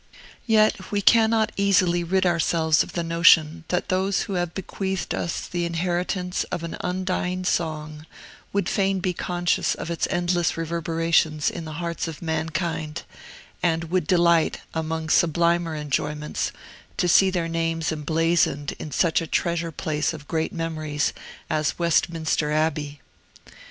Yet we cannot easily rid ourselves of the notion that those who have bequeathed us the inheritance of an undying song would fain be conscious of its endless reverberations in the hearts of mankind, and would delight, among sublimer enjoyments, to see their names emblazoned in such a treasure place of great memories as Westminster Abbey.